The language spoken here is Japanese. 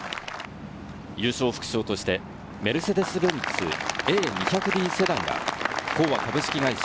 優勝副賞としてメルセデス・ベンツＡ２００ｄＳｅｄａｎが、興和株式会社、